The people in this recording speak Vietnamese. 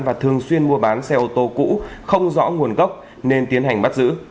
và thường xuyên mua bán xe ô tô cũ không rõ nguồn gốc nên tiến hành bắt giữ